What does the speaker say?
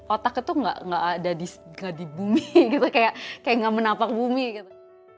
otak itu gak ada di bumi gitu kayak gak menapak bumi gitu